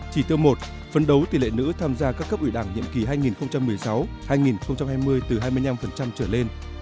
chỉ tiêu một phấn đấu tỷ lệ nữ tham gia các cấp ủy đảng nhiệm kỳ hai nghìn một mươi sáu hai nghìn hai mươi từ hai mươi năm trở lên